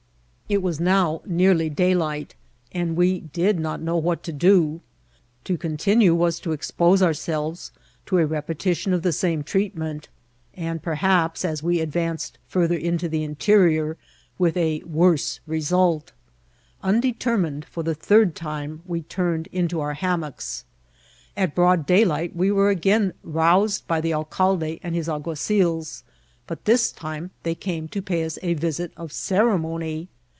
It was now nearly daylight, and we did not know what to do ; to continue was to expose ourselves to a repetition of the same treatment, and perhaps, as we advanced ftirther into the interior, with a worse result* Undetermined, for the third time we turned into our hammocks. At broad daylight we were again roused by the alcalde and his alguazils, but this time they came THB RBLBASB. 85 to pay 118 a yisit of ceremony.